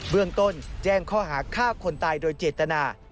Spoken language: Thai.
เรื่องต้นแจ้งข้อหาฆ่าคนตายโดยเจตนา